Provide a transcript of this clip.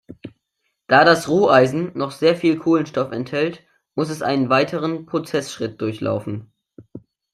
Da das Roheisen noch sehr viel Kohlenstoff enthält, muss es einen weiteren Prozessschritt durchlaufen.